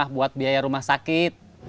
biaya rumah sakit